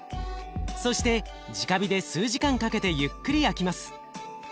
そして直火で数時間かけてゆっくり焼きます。